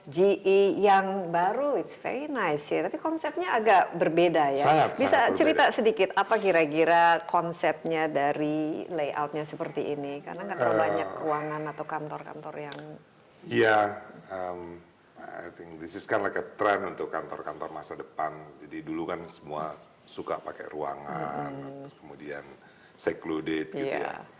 jadi dulu kan semua suka pakai ruangan kemudian secluded gitu ya